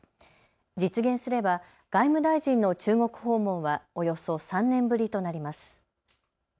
実現すれば外務大臣の中国訪問はおよそ３年ぶりとなります。